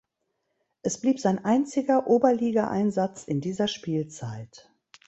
Es blieb sein einziger Oberligaeinsatz in dieser Spielzeit.